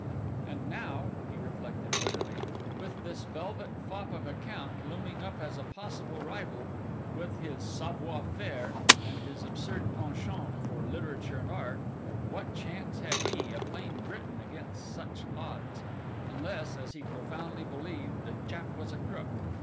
And now, he reflected bitterly, with this velvet fop of a count looming up as a possible rival, with his savoir faire, and his absurd penchant for literature and art, what chance had he, a plain Briton, against such odds? unless, as he profoundly believed, the chap was a crook.